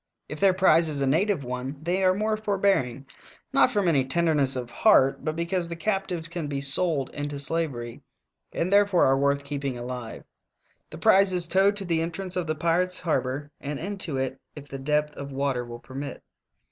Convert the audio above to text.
If their prize is a native one they are more forbearing, not from any tenderness of heart, but because the captives can be sold into slavery, and therefore are worth keeping alive. The prize is towed to the entrance of the pirates' har bor and into it if the depth of water will permit.